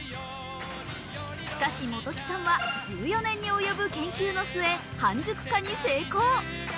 しかし、本木さんは１４年に及ぶ研究の末、半熟化に成功。